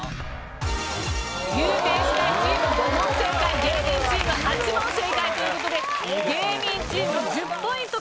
有名私大チーム５問正解芸人チーム８問正解という事で芸人チーム１０ポイント